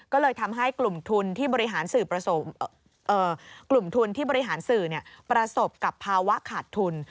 ก็เลยทำให้กลุ่มทุนที่บริหารสื่อประสบกับภาวะขาดทุน